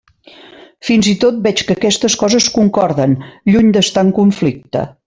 Fins i tot veig que aquestes coses concorden, lluny d'estar en conflicte.